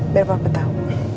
biar papa tau